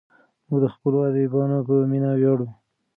موږ د خپلو ادیبانو په مینه ویاړو.